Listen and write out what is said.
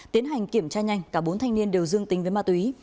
tiến hành kiểm tra nhanh cả bốn thanh niên đều dương tính với ma túy